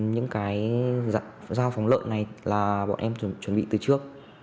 những cái dặn giao phóng lợn này là bọn em chuẩn bị từ trước